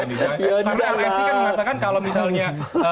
karena ansi kan mengatakan kalau misalnya